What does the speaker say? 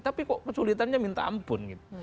tapi kok kesulitannya minta ampun gitu